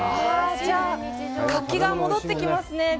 じゃあ活気が戻ってきますね。